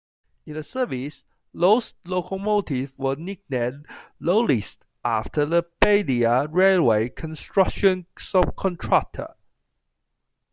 In service, these locomotives were nicknamed "Lawleys" after the Beira Railway construction subcontractor.